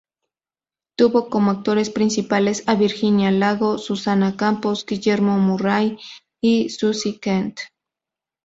Tuvo como actores principales a Virginia Lago, Susana Campos, Guillermo Murray y Susy Kent.